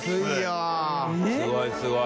すごいすごい。